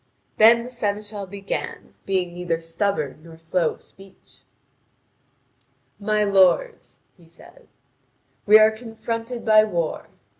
Then the seneschal began, being neither stubborn nor slow of speech: "My lords," he said, "we are confronted by war.